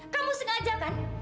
kamu sengaja kan